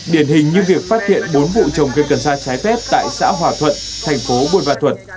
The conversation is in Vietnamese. điển hình như việc phát hiện bốn vụ trồng cây cần sa trái phép tại xã hòa thuận thành phố buôn ma thuật